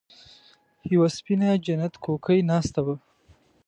يوه سپينه جنت کوکۍ ناسته وه.